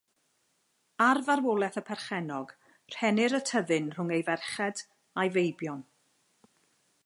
Ar farwolaeth y perchennog, rhennir y tyddyn rhwng ei ferched a'i feibion.